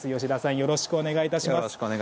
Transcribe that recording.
よろしくお願いします。